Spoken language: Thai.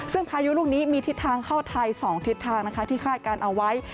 ซึ่งพายุลูกนี้มีทิศทางเข้าไทย๒ทิศทางนะคะที่คาดการณ์เอาไว้